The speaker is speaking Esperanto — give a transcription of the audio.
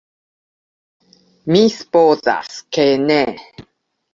Mi supozas, ke ne.